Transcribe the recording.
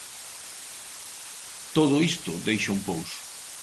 Todo isto deixa un pouso.